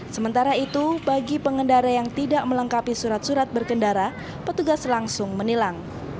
sementara itu bagi pengendara yang tidak melengkapi surat surat berkendara petugas langsung menilang